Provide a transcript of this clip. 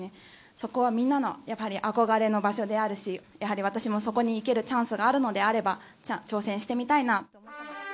そこはみんなのやっぱり憧れの場所であるし、やはり私もそこに行けるチャンスがあるのであれば挑戦してみたいな。